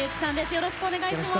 よろしくお願いします。